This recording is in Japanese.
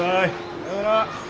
さよなら。